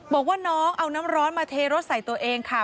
บอกว่าน้องเอาน้ำร้อนมาเทรถใส่ตัวเองค่ะ